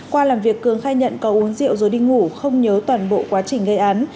qua làm việc cường khai nhận có uống rượu rồi đi ngủ không nhớ toàn bộ quá trình gây án